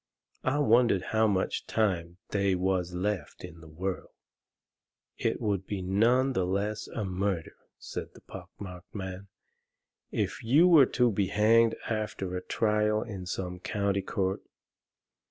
I wondered how much time they was left in the world. "It would be none the less a murder," said the pock marked man, "if you were to be hanged after a trial in some county court.